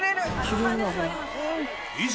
いざ